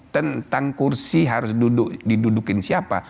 tentang kursi harus duduk didudukin siapa